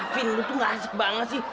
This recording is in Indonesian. ah vin lo tuh nggak asik banget sih